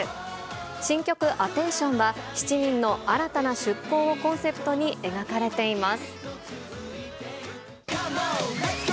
新曲、アテンションは、７人の新たな出航をコンセプトに描かれています。